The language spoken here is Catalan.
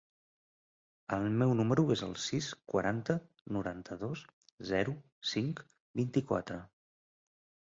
El meu número es el sis, quaranta, noranta-dos, zero, cinc, vint-i-quatre.